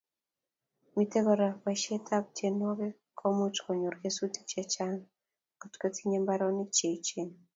Mitei Kora boisietab tinegok komuchi konyor kesutik chechang ngotkotinyei mbaronik che eechen